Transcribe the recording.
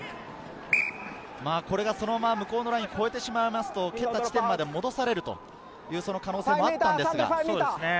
これがそのまま向こうのラインを越えてしまいますと、蹴った地点まで戻される可能性がありました。